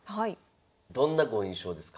どんなご印象ですか？